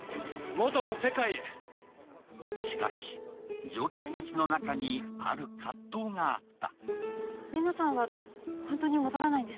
しかし、乗客たちの中に、ある葛藤があった。